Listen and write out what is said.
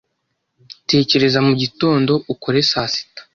Tekereza mugitondo, ukore saa sita